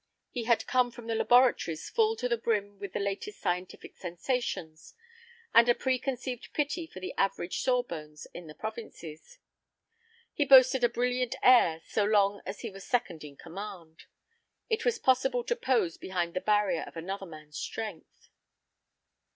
He had come from the laboratories full to the brim with the latest scientific sensations, and a preconceived pity for the average sawbones in the provinces. He boasted a brilliant air so long as he was second in command. It was possible to pose behind the barrier of another man's strength.